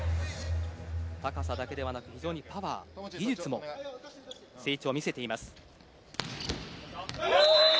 高さだけではなく非常にパワー、技術も成長を見せています。